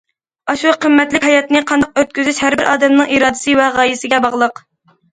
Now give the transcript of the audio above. ئاشۇ قىممەتلىك ھاياتنى قانداق ئۆتكۈزۈش ھەر بىر ئادەمنىڭ ئىرادىسى ۋە غايىسىگە باغلىق.